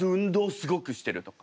すごくしてるとか？